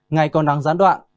ngày còn nắng giãn đoạn